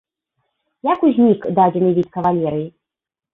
Як узнік дадзены від кавалерыі?